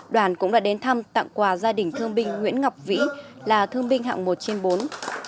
đoàn cũng đã đến thăm tặng quà gia đình thương binh nguyễn ngọc vĩ là thương binh hạng một trên bốn